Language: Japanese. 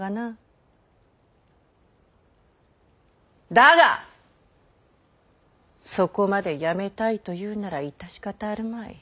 だがそこまでやめたいと言うなら致し方あるまい。